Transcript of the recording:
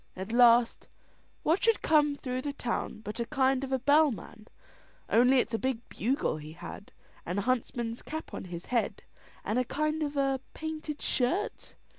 At last, what should come through the town but a kind of a bellman, only it's a big bugle he had, and a huntsman's cap on his head, and a kind of a painted shirt.